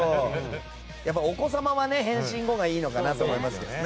お子様は変身後がいいのかなと思いますね。